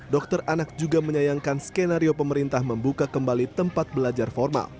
dokter anak juga menyayangkan skenario pemerintah membuka kembali tempat belajar formal